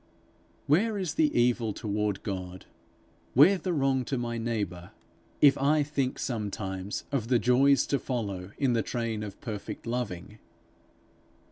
Where is the evil toward God, where the wrong to my neighbour, if I think sometimes of the joys to follow in the train of perfect loving?